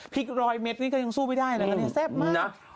พริกรอยเม็ดนี่ก็ยังสู้ไม่ได้แล้วแล้วเนี่ยเซฟมาก